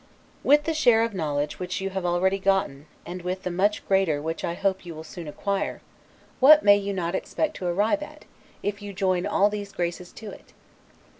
With the share of knowledge which you have already gotten, and with the much greater which I hope you will soon acquire, what may you not expect to arrive at, if you join all these graces to it?